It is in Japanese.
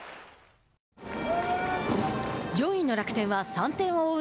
４位の楽天は３点を追う